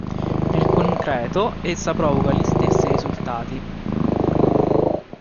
Nel concreto essa provoca gli stessi risultati.